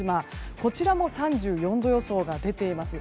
こちらも３４度予想が出ています。